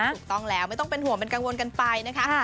ถูกต้องแล้วไม่ต้องเป็นห่วงเป็นกังวลกันไปนะคะ